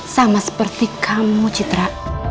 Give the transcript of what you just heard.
sama seperti kamu citra